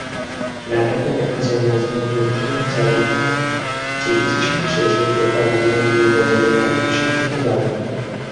নাটকে দেখা যায়, মজনুর বুদ্ধিমান চালক চিকিৎসক সেজে বোকা বানায় গুলবদনের অর্ধশিক্ষিত বাবাকে।